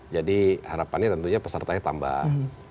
jadi harapannya tentunya pesertanya tambah